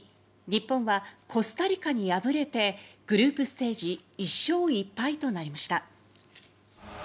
日本はコスタリカに敗れてグループステージ１勝１敗となりました。